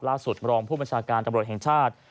รองผู้บัญชาการตำรวจแห่งชาติ